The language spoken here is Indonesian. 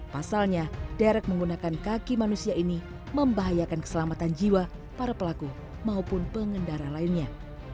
pasalnya derek menggunakan kaki manusia ini membahayakan keselamatan jiwa para pelaku maupun pengendara lainnya